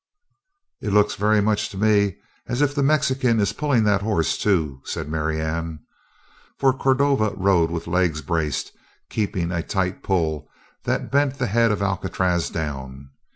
"It looks very much to me as if the Mexican is pulling that horse, too," said Marianne. For Cordova rode with legs braced, keeping a tight pull that bent the head of Alcatraz down.